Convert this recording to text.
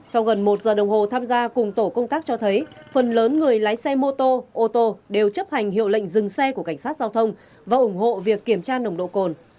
sau gần một giờ đồng hồ tham gia cùng tổ công tác cho thấy phần lớn người lái xe mô tô ô tô đều chấp hành hiệu lệnh dừng xe của cảnh sát giao thông và ủng hộ việc kiểm tra nồng độ cồn